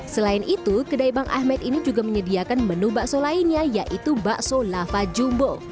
selain itu kedai bang ahmed ini juga menyediakan menu bakso lainnya yaitu bakso lava jumbo